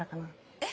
えっ！